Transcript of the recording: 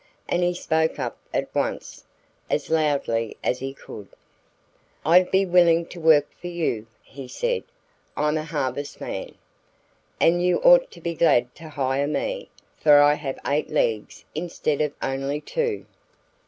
And he spoke up at once as loudly as he could. "I'd be willing to work for you," he said. "I'm a harvestman. And you ought to be glad to hire me, for I have eight legs instead of only two."